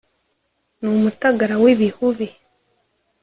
N' umutagara w' ib' ihubi